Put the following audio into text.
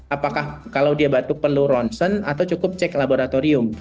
apakah kalau dia batuk perlu ronsen atau cukup cek laboratorium